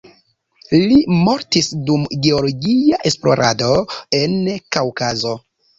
Li mortis dum geologia esplorado en Kaŭkazo.